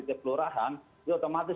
setiap kelurahan dia otomatis